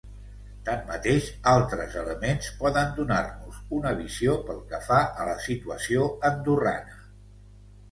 Tanmateix, altres elements poden donar-nos una visió pel que fa a la situació andorrana.